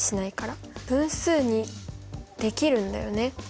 分数にできるんだよね。